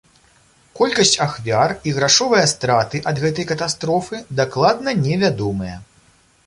Колькасць ахвяр і грашовыя страты ад гэтай катастрофы дакладна не вядомыя.